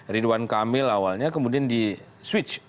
ridwan kamil awalnya kemudian di switch